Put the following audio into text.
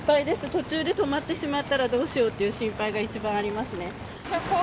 途中で止まってしまったら、どうしようっていう心配が一番ありますね。